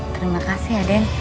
terima kasih aden